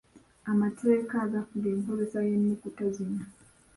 Amateka agafuga enkozesa y’ennukuta zino.